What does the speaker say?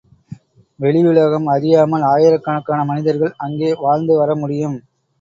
வெளியுலகம் அறியாமல் ஆயிரக்கணக்கான மனிதர்கள் அங்கே வாழ்ந்து வரமுடியும்.